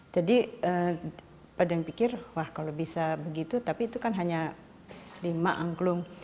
jadi pada yang pikir wah kalau bisa begitu tapi itu kan hanya lima angklung